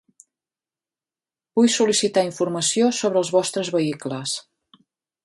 Vull sol·licitar informació sobre els vostres vehicles.